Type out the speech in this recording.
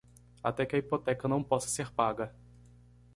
Até que a hipoteca não possa ser paga